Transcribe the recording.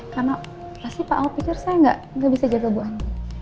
karena pasti pak al pikir saya gak bisa jaga bu andi